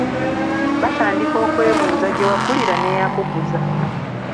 Batandika okwebuuza gye wakulira n’eyakukuza.